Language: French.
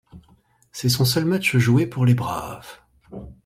C'est son seul match joué pour les Braves.